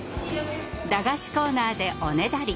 駄菓子コーナーでおねだり。